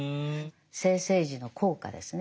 生政治の効果ですね。